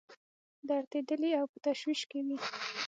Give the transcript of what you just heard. دردېدلي او په تشویش کې وي.